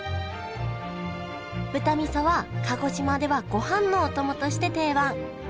豚味噌は鹿児島ではごはんのお供として定番。